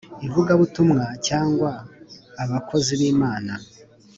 Ivugabutumwa cyangwa abakozi b imana